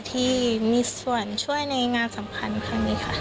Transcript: ที่มีส่วนช่วยในงานสำคัญค่ะ